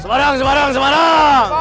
semarang semarang semarang